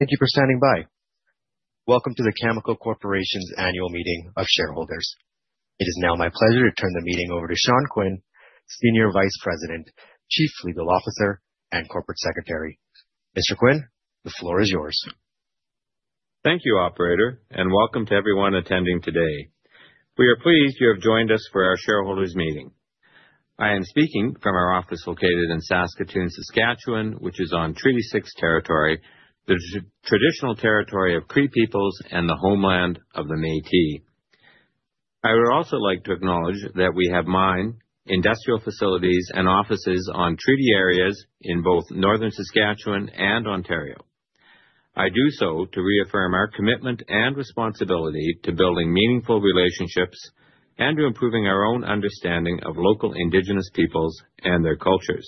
Thank you for standing by. Welcome to the Cameco Corporation's annual meeting of shareholders. It is now my pleasure to turn the meeting over to Sean Quinn, Senior Vice President, Chief Legal Officer, and Corporate Secretary. Mr. Quinn, the floor is yours. Thank you, Operator, and welcome to everyone attending today. We are pleased you have joined us for our shareholders' meeting. I am speaking from our office located in Saskatoon, Saskatchewan, which is on Treaty 6 Territory, the traditional territory of Cree peoples and the homeland of the Métis. I would also like to acknowledge that we have mine, industrial facilities, and offices on Treaty areas in both Northern Saskatchewan and Ontario. I do so to reaffirm our commitment and responsibility to building meaningful relationships and to improving our own understanding of local Indigenous peoples and their cultures.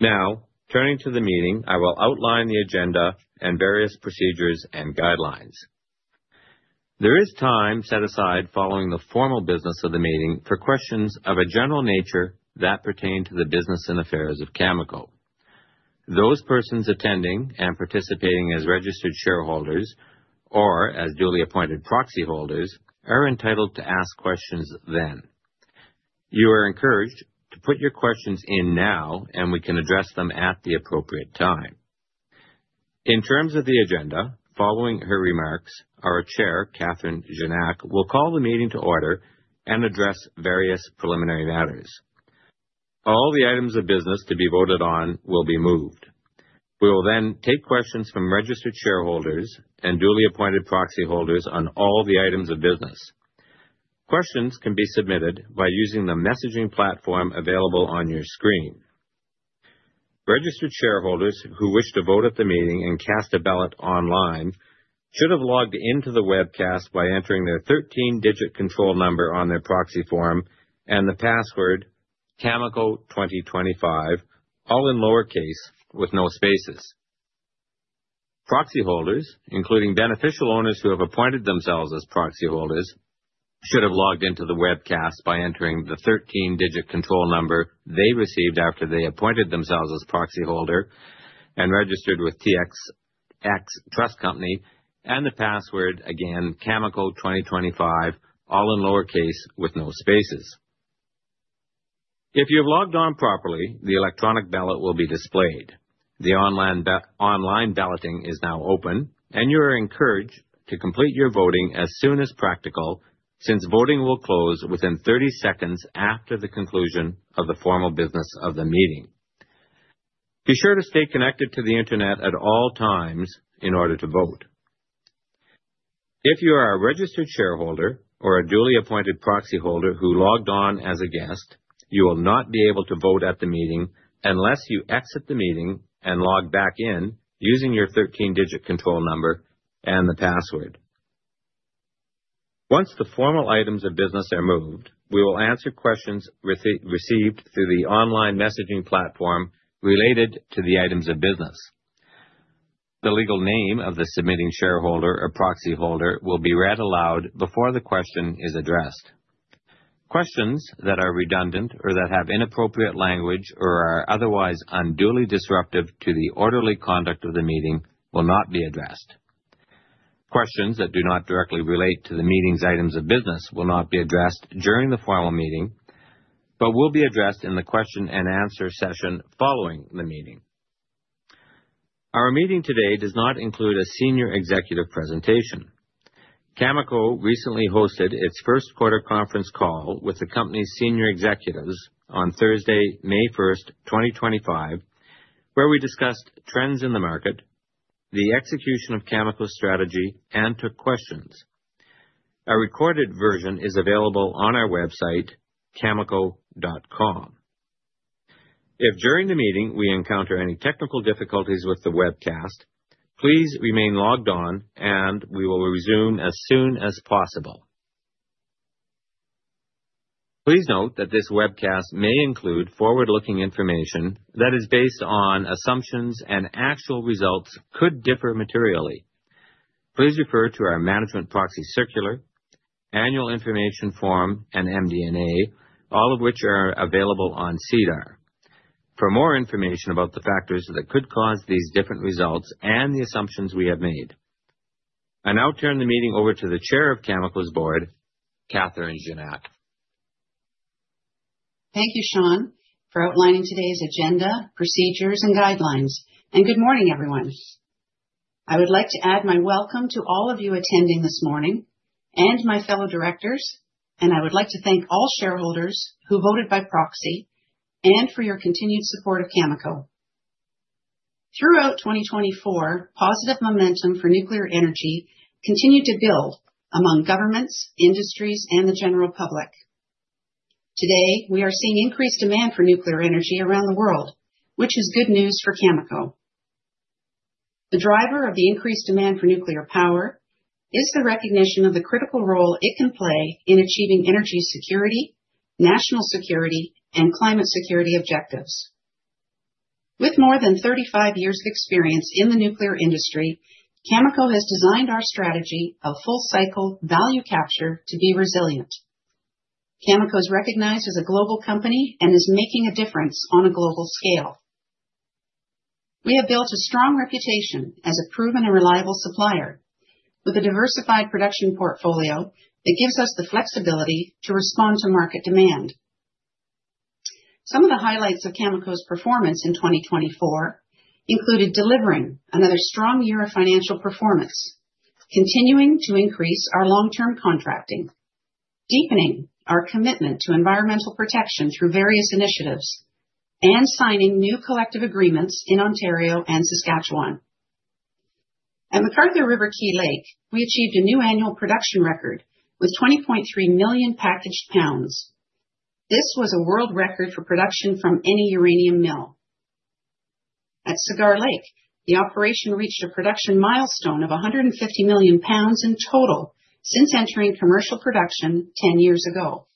Now, turning to the meeting, I will outline the agenda and various procedures and guidelines. There is time set aside following the formal business of the meeting for questions of a general nature that pertain to the business and affairs of Cameco. Those persons attending and participating as registered shareholders or as duly appointed proxy holders are entitled to ask questions then. You are encouraged to put your questions in now, and we can address them at the appropriate time. In terms of the agenda, following her remarks, our Chair, Catherine Gignac, will call the meeting to order and address various preliminary matters. All the items of business to be voted on will be moved. We will then take questions from registered shareholders and duly appointed proxy holders on all the items of business. Questions can be submitted by using the messaging platform available on your screen. Registered shareholders who wish to vote at the meeting and cast a ballot online should have logged into the webcast by entering their 13-digit control number on their proxy form and the password Cameco2025, all in lowercase with no spaces. Proxy holders, including beneficial owners who have appointed themselves as proxy holders, should have logged into the webcast by entering the 13-digit control number they received after they appointed themselves as proxy holder and registered with TSX Trust Company and the password again, Cameco2025, all in lowercase with no spaces. If you have logged on properly, the electronic ballot will be displayed. The online balloting is now open, and you are encouraged to complete your voting as soon as practical since voting will close within 30 seconds after the conclusion of the formal business of the meeting. Be sure to stay connected to the internet at all times in order to vote. If you are a registered shareholder or a duly appointed proxy holder who logged on as a guest, you will not be able to vote at the meeting unless you exit the meeting and log back in using your 13-digit control number and the password. Once the formal items of business are moved, we will answer questions received through the online messaging platform related to the items of business. The legal name of the submitting shareholder or proxy holder will be read aloud before the question is addressed. Questions that are redundant or that have inappropriate language or are otherwise unduly disruptive to the orderly conduct of the meeting will not be addressed. Questions that do not directly relate to the meeting's items of business will not be addressed during the formal meeting but will be addressed in the question-and-answer session following the meeting. Our meeting today does not include a senior executive presentation. Cameco recently hosted its first quarter conference call with the company's senior executives on Thursday, May 1st, 2025, where we discussed trends in the market, the execution of Cameco's strategy, and took questions. A recorded version is available on our website, cameco.com. If during the meeting we encounter any technical difficulties with the webcast, please remain logged on, and we will resume as soon as possible. Please note that this webcast may include forward-looking information that is based on assumptions, and actual results could differ materially. Please refer to our management proxy circular, annual information form, and MD&A, all of which are available on SEDAR. For more information about the factors that could cause these different results and the assumptions we have made, I now turn the meeting over to the Chair of Cameco's board, Catherine Gignac. Thank you, Sean, for outlining today's agenda, procedures, and guidelines, and good morning, everyone. I would like to add my welcome to all of you attending this morning and my fellow directors, and I would like to thank all shareholders who voted by proxy and for your continued support of Cameco. Throughout 2024, positive momentum for nuclear energy continued to build among governments, industries, and the general public. Today, we are seeing increased demand for nuclear energy around the world, which is good news for Cameco. The driver of the increased demand for nuclear power is the recognition of the critical role it can play in achieving energy security, national security, and climate security objectives. With more than 35 years of experience in the nuclear industry, Cameco has designed our strategy of full-cycle value capture to be resilient. Cameco is recognized as a global company and is making a difference on a global scale. We have built a strong reputation as a proven and reliable supplier with a diversified production portfolio that gives us the flexibility to respond to market demand. Some of the highlights of Cameco's performance in 2024 included delivering another strong year of financial performance, continuing to increase our long-term contracting, deepening our commitment to environmental protection through various initiatives, and signing new collective agreements in Ontario and Saskatchewan. At McArthur River/Key Lake, we achieved a new annual production record with 20.3 million packaged pounds. This was a world record for production from any uranium mill. At Cigar Lake, the operation reached a production milestone of 150 million pounds in total since entering commercial production 10 years ago.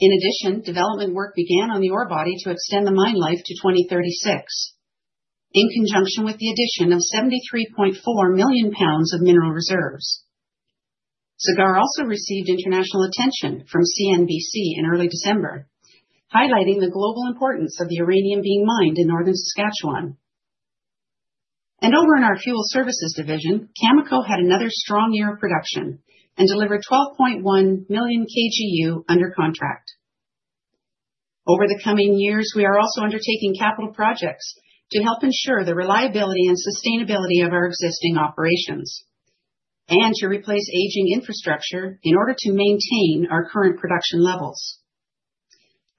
In addition, development work began on the ore body to extend the mine life to 2036 in conjunction with the addition of 73.4 million pounds of mineral reserves. Cigar Lake also received international attention from CNBC in early December, highlighting the global importance of the uranium being mined in northern Saskatchewan, and over in our fuel services division, Cameco had another strong year of production and delivered 12.1 million kgU under contract. Over the coming years, we are also undertaking capital projects to help ensure the reliability and sustainability of our existing operations and to replace aging infrastructure in order to maintain our current production levels,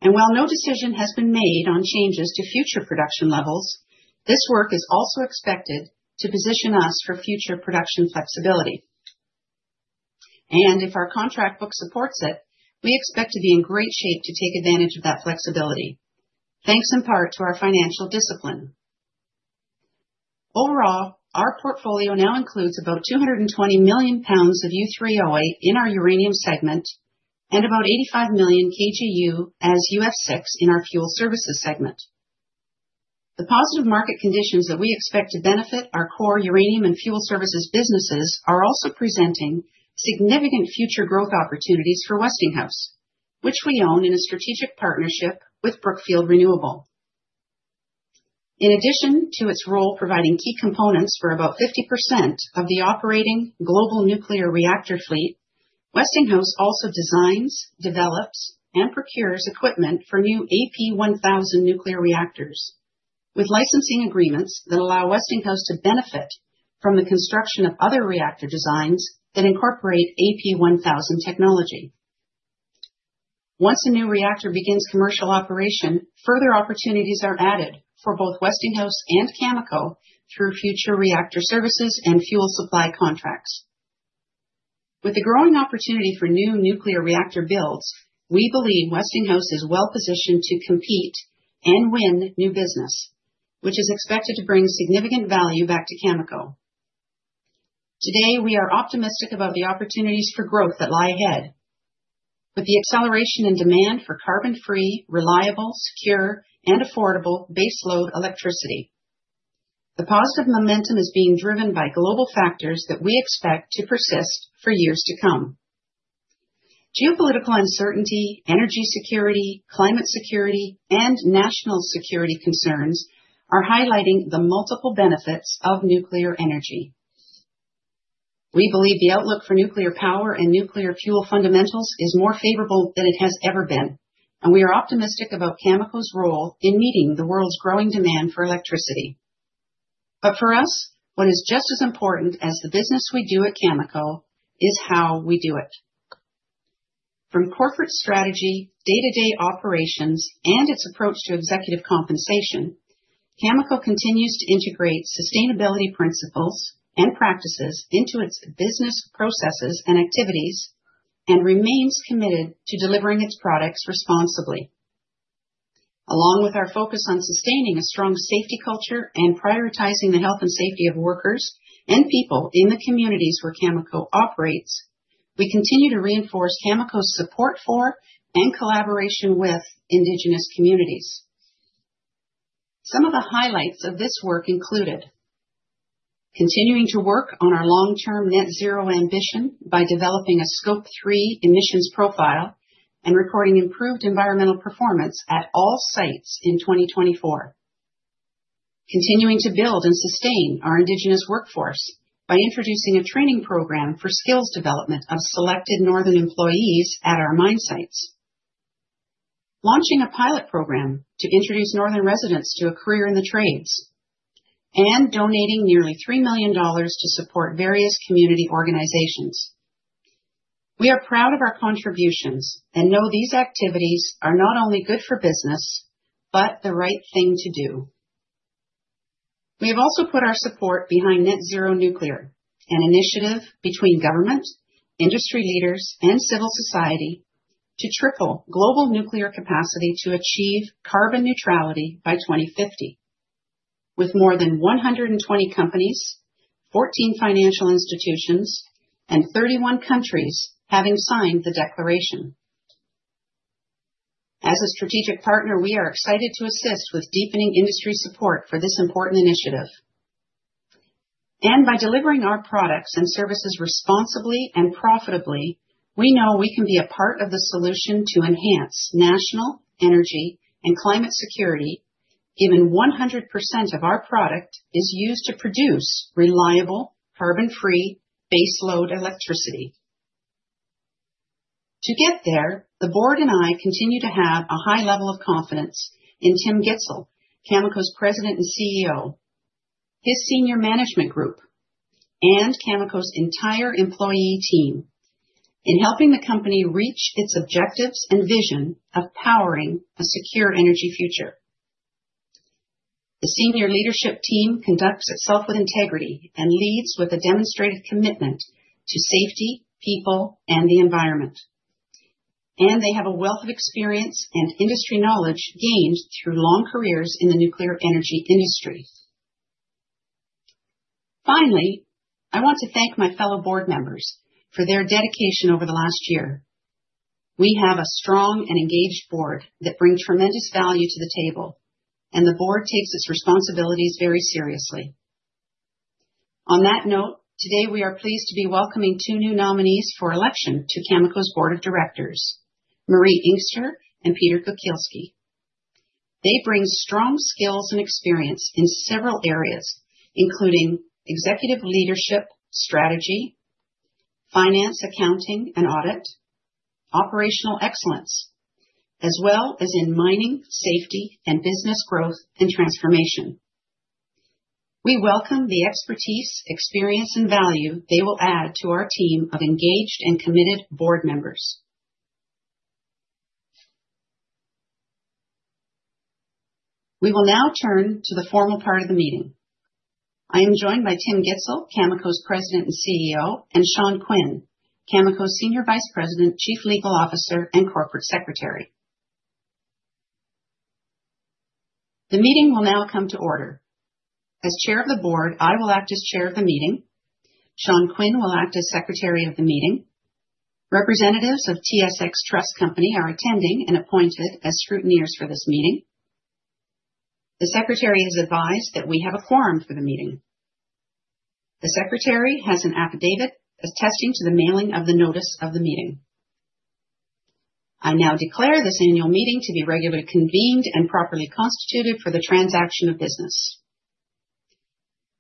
and while no decision has been made on changes to future production levels, this work is also expected to position us for future production flexibility. And if our contract book supports it, we expect to be in great shape to take advantage of that flexibility, thanks in part to our financial discipline. Overall, our portfolio now includes about 220 million pounds of U3O8 in our uranium segment and about 85 million kgU as UF6 in our fuel services segment. The positive market conditions that we expect to benefit our core uranium and fuel services businesses are also presenting significant future growth opportunities for Westinghouse, which we own in a strategic partnership with Brookfield Renewable. In addition to its role providing key components for about 50% of the operating global nuclear reactor fleet, Westinghouse also designs, develops, and procures equipment for new AP1000 nuclear reactors with licensing agreements that allow Westinghouse to benefit from the construction of other reactor designs that incorporate AP1000 technology. Once a new reactor begins commercial operation, further opportunities are added for both Westinghouse and Cameco through future reactor services and fuel supply contracts. With the growing opportunity for new nuclear reactor builds, we believe Westinghouse is well positioned to compete and win new business, which is expected to bring significant value back to Cameco. Today, we are optimistic about the opportunities for growth that lie ahead with the acceleration in demand for carbon-free, reliable, secure, and affordable baseload electricity. The positive momentum is being driven by global factors that we expect to persist for years to come. Geopolitical uncertainty, energy security, climate security, and national security concerns are highlighting the multiple benefits of nuclear energy. We believe the outlook for nuclear power and nuclear fuel fundamentals is more favorable than it has ever been, and we are optimistic about Cameco's role in meeting the world's growing demand for electricity. But for us, what is just as important as the business we do at Cameco is how we do it. From corporate strategy, day-to-day operations, and its approach to executive compensation, Cameco continues to integrate sustainability principles and practices into its business processes and activities and remains committed to delivering its products responsibly. Along with our focus on sustaining a strong safety culture and prioritizing the health and safety of workers and people in the communities where Cameco operates, we continue to reinforce Cameco's support for and collaboration with Indigenous communities. Some of the highlights of this work included continuing to work on our long-term net zero ambition by developing a Scope 3 emissions profile and recording improved environmental performance at all sites in 2024, continuing to build and sustain our Indigenous workforce by introducing a training program for skills development of selected northern employees at our mine sites, launching a pilot program to introduce northern residents to a career in the trades, and donating nearly 3 million dollars to support various community organizations. We are proud of our contributions and know these activities are not only good for business but the right thing to do. We have also put our support behind Net Zero Nuclear, an initiative between government, industry leaders, and civil society to triple global nuclear capacity to achieve carbon neutrality by 2050, with more than 120 companies, 14 financial institutions, and 31 countries having signed the declaration. As a strategic partner, we are excited to assist with deepening industry support for this important initiative, and by delivering our products and services responsibly and profitably, we know we can be a part of the solution to enhance national energy and climate security given 100% of our product is used to produce reliable, carbon-free baseload electricity. To get there, the board and I continue to have a high level of confidence in Tim Gitzel, Cameco's President and CEO, his senior management group, and Cameco's entire employee team in helping the company reach its objectives and vision of powering a secure energy future. The senior leadership team conducts itself with integrity and leads with a demonstrated commitment to safety, people, and the environment, and they have a wealth of experience and industry knowledge gained through long careers in the nuclear energy industry. Finally, I want to thank my fellow board members for their dedication over the last year. We have a strong and engaged board that brings tremendous value to the table, and the board takes its responsibilities very seriously. On that note, today we are pleased to be welcoming two new nominees for election to Cameco's board of directors, Marie Inkster and Peter Kukielski. They bring strong skills and experience in several areas, including executive leadership, strategy, finance, accounting, and audit, operational excellence, as well as in mining, safety, and business growth and transformation. We welcome the expertise, experience, and value they will add to our team of engaged and committed board members. We will now turn to the formal part of the meeting. I am joined by Tim Gitzel, Cameco's President and CEO, and Sean Quinn, Cameco's Senior Vice President, Chief Legal Officer, and Corporate Secretary. The meeting will now come to order. As Chair of the Board, I will act as Chair of the meeting. Sean Quinn will act as secretary of the meeting. Representatives of TSX Trust Company are attending and appointed as scrutineers for this meeting. The secretary is advised that we have a quorum for the meeting. The secretary has an affidavit attesting to the mailing of the notice of the meeting. I now declare this annual meeting to be regularly convened and properly constituted for the transaction of business.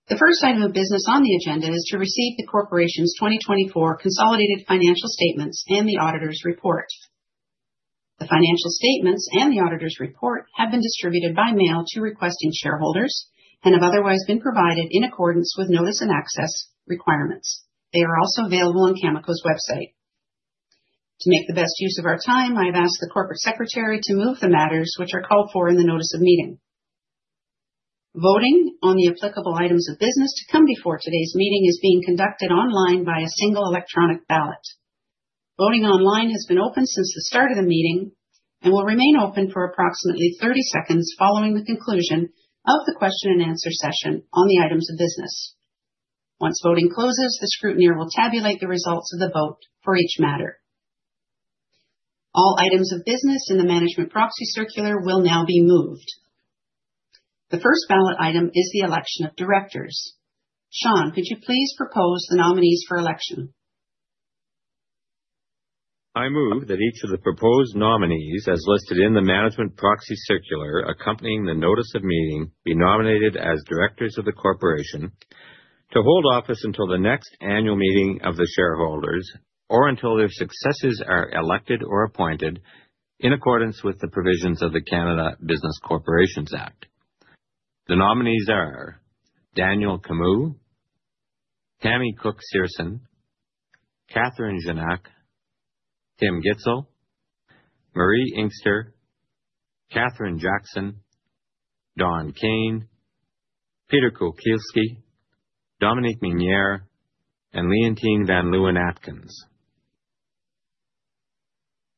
The first item of business on the agenda is to receive the corporation's 2024 consolidated financial statements and the auditor's report. The financial statements and the auditor's report have been distributed by mail to requesting shareholders and have otherwise been provided in accordance with notice and access requirements. They are also available on Cameco's website. To make the best use of our time, I have asked the corporate secretary to move the matters which are called for in the notice of meeting. Voting on the applicable items of business to come before today's meeting is being conducted online by a single electronic ballot. Voting online has been open since the start of the meeting and will remain open for approximately 30 seconds following the conclusion of the question and answer session on the items of business. Once voting closes, the scrutineer will tabulate the results of the vote for each matter. All items of business in the Management Proxy Circular will now be moved. The first ballot item is the election of directors. Sean, could you please propose the nominees for election? I move that each of the proposed nominees as listed in the management proxy circular accompanying the notice of meeting be nominated as directors of the corporation to hold office until the next annual meeting of the shareholders or until their successors are elected or appointed in accordance with the provisions of the Canada Business Corporations Act. The nominees are Daniel Camus, Tammy Cook-Searson, Catherine Gignac, Tim Gitzel, Marie Inkster, Kathryn Jackson, Don Kayne, Peter Kukielski, Dominique Minière, and Leontine van Leeuwen-Atkins.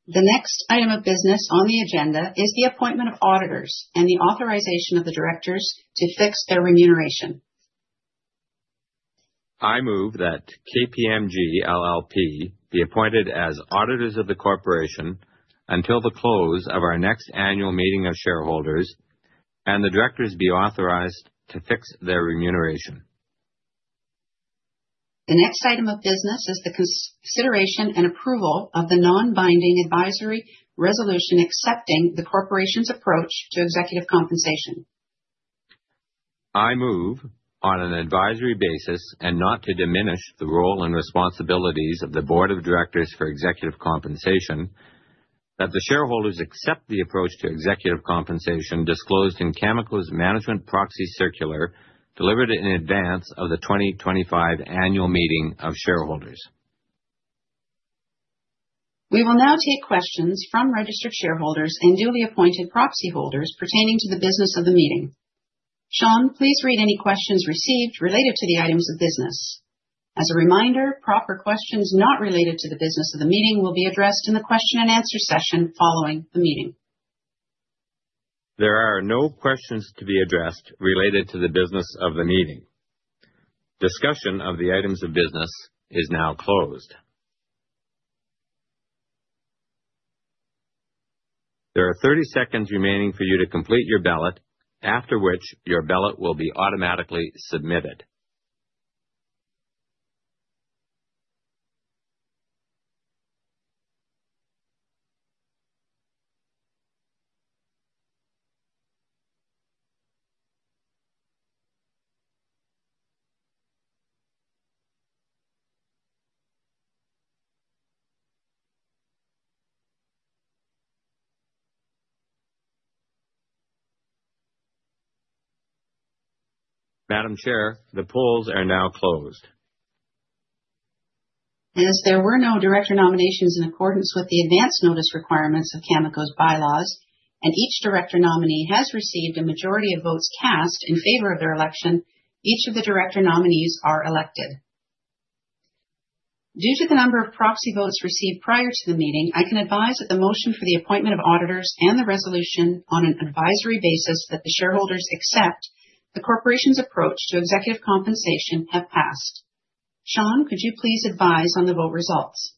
The next item of business on the agenda is the appointment of auditors and the authorization of the directors to fix their remuneration. I move that KPMG LLP be appointed as auditors of the corporation until the close of our next annual meeting of shareholders and the directors be authorized to fix their remuneration. The next item of business is the consideration and approval of the non-binding advisory resolution accepting the corporation's approach to executive compensation. I move on an advisory basis and not to diminish the role and responsibilities of the board of directors for executive compensation that the shareholders accept the approach to executive compensation disclosed in Cameco's Management Proxy Circular delivered in advance of the 2025 annual meeting of shareholders. We will now take questions from registered shareholders and duly appointed proxy holders pertaining to the business of the meeting. Sean, please read any questions received related to the items of business. As a reminder, proper questions not related to the business of the meeting will be addressed in the question and answer session following the meeting. There are no questions to be addressed related to the business of the meeting. Discussion of the items of business is now closed. There are 30 seconds remaining for you to complete your ballot, after which your ballot will be automatically submitted. Madam Chair, the polls are now closed. As there were no director nominations in accordance with the advance notice requirements of Cameco's bylaws and each director nominee has received a majority of votes cast in favor of their election, each of the director nominees are elected. Due to the number of proxy votes received prior to the meeting, I can advise that the motion for the appointment of auditors and the resolution on an advisory basis that the shareholders accept the corporation's approach to executive compensation have passed. Sean, could you please advise on the vote results?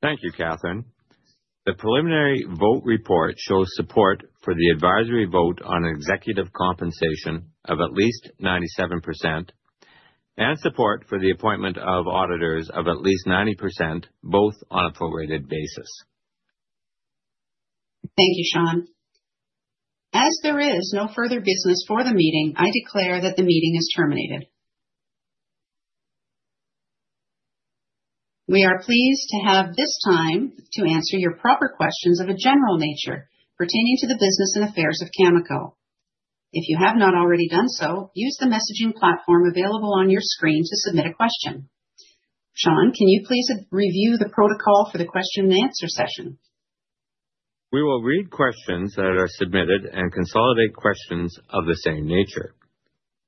Thank you, Catherine. The preliminary vote report shows support for the advisory vote on executive compensation of at least 97% and support for the appointment of auditors of at least 90%, both on a prorated basis. Thank you, Sean. As there is no further business for the meeting, I declare that the meeting is terminated. We are pleased to have this time to answer your proper questions of a general nature pertaining to the business and affairs of Cameco. If you have not already done so, use the messaging platform available on your screen to submit a question. Sean, can you please review the protocol for the question and answer session? We will read questions that are submitted and consolidate questions of the same nature.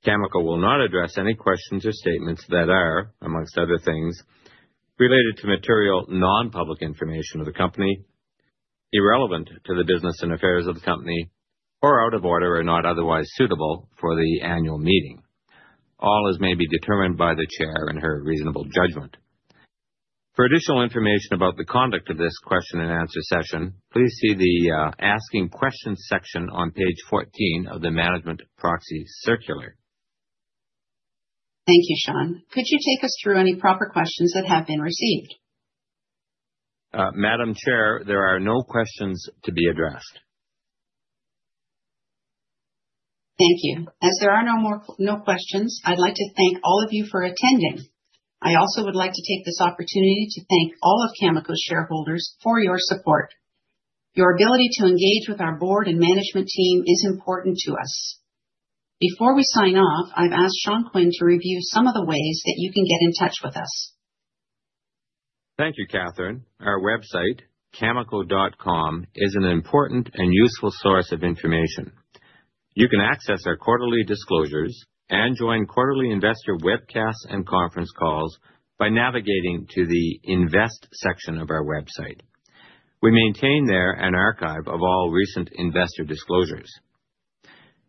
Cameco will not address any questions or statements that are, amongst other things, related to material non-public information of the company, irrelevant to the business and affairs of the company, or out of order or not otherwise suitable for the annual meeting. All as may be determined by the chair and her reasonable judgment. For additional information about the conduct of this question and answer session, please see the asking questions section on page 14 of the Management Proxy Circular. Thank you, Sean. Could you take us through any proper questions that have been received? Madam Chair, there are no questions to be addressed. Thank you. As there are no more questions, I'd like to thank all of you for attending. I also would like to take this opportunity to thank all of Cameco's shareholders for your support. Your ability to engage with our board and management team is important to us. Before we sign off, I've asked Sean Quinn to review some of the ways that you can get in touch with us. Thank you, Catherine. Our website, Cameco.com, is an important and useful source of information. You can access our quarterly disclosures and join quarterly investor webcasts and conference calls by navigating to the invest section of our website. We maintain there an archive of all recent investor disclosures.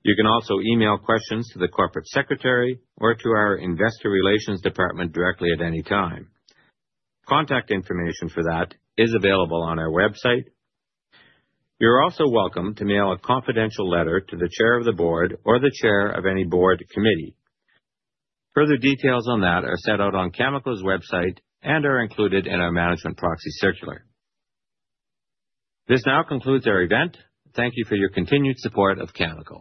You can also email questions to the corporate secretary or to our investor relations department directly at any time. Contact information for that is available on our website. You're also welcome to mail a confidential letter to the chair of the board or the chair of any board committee. Further details on that are set out on Cameco's website and are included in our management proxy circular. This now concludes our event. Thank you for your continued support of Cameco.